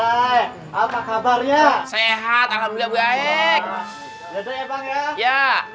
apa kabarnya sehat alhamdulillah baik